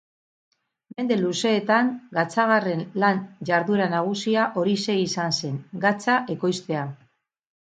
Mende luzeetan gatzagarren lan-jarduera nagusia horixe izan zen: gatza ekoiztea.